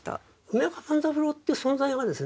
梅若万三郎って存在はですね